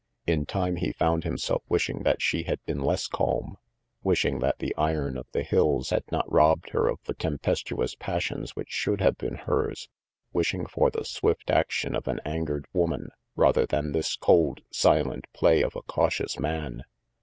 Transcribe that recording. In time, he found himself wishing that she had been less calm, wishing that the iron of the hills had not robbed her of the tem pestuous passions which should have been hers, wishing for the swift action of an angered woman rather than this cold silent play of a cautious man.